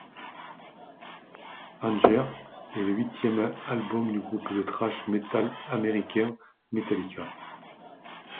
Anger est le huitième album du groupe de thrash metal américain Metallica.